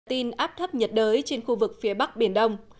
tin áp thấp nhiệt đới trên khu vực phía bắc biển đông